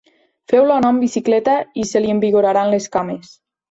Feu-lo anar amb bicicleta i se li envigoriran les cames.